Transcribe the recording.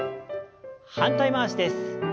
反対回しです。